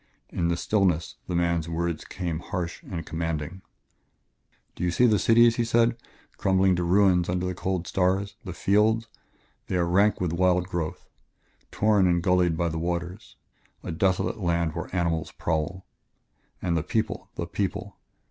In the stillness the man's words came harsh and commanding "Do you see the cities," he said, "crumbling to ruins under the cold stars? The fields? They are rank with wild growth, torn and gullied by the waters; a desolate land where animals prowl. And the people the people!